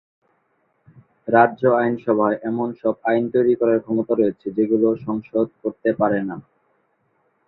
রাজ্য আইনসভায় এমন সব আইন তৈরি করার ক্ষমতা রয়েছে যেগুলো সংসদ করতে পারে না।